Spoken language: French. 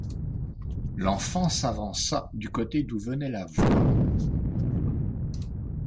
L’enfant s’avança du côté d’où venait la voix.